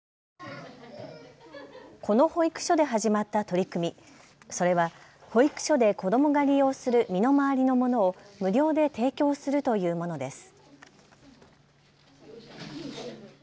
この保育所で始まった取り組み、それは保育所で子どもが利用する身の回りのものを無料で提供するというものです。